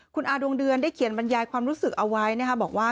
คุณอาดวงเดือนได้เขียนบรรยายความรู้สึกเอาไว้นะคะบอกว่า